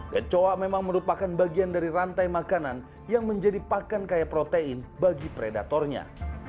kecoa memang merupakan bagian dari rantai makanan yang menjadi pakan kaya protein bagi predatornya